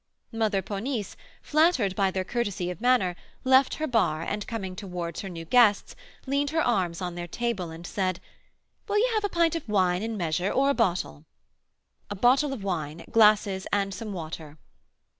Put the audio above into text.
Mother Ponisse, flattered by their courtesy of manner, left her bar, and, coming towards her new guests, leaned her arms on their table, and said, "Will you have a pint of wine in measure or a bottle?" "A bottle of wine, glasses, and some water."